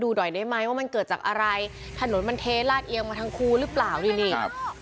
หน่อยได้ไหมว่ามันเกิดจากอะไรถนนมันเทลาดเอียงมาทั้งคู่หรือเปล่านี่นี่ครับ